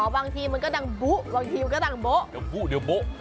อ๋อบางทีมันก็ดังบุ๊กบางทีมันก็ดังเบาะ